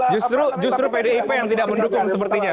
justru pdip yang tidak mendukung sepertinya